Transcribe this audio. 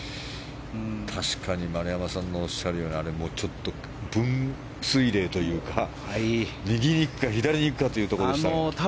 確かに、丸山さんのおっしゃるようにあそこはちょっと分水嶺というか右に行くか、左に行くかというところでした。